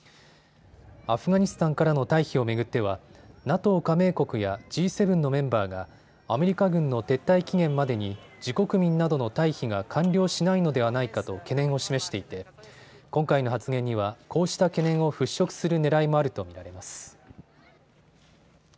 アフガニスタンからの退避を巡ってはＮＡＴＯ加盟国やＧ７のメンバーがアメリカ軍の撤退期限までに自国民などの退避が完了しないのではないかと懸念を示していて今回の発言にはこうした懸念を払拭するねらいもあると見られます。